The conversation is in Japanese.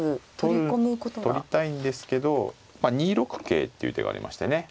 取りたいんですけど２六桂っていう手がありましてね。